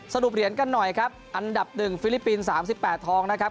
เหรียญกันหน่อยครับอันดับ๑ฟิลิปปินส์๓๘ทองนะครับ